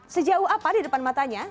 sejauh apa di depan matanya